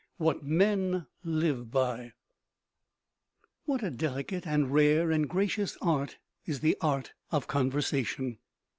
WHAT MEN LIVE BY What a delicate and rare and gracious art is the art of conversation!